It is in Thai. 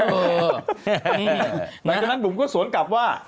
เพราะฉะนั้นบุ๋มก็สวนกลับว่า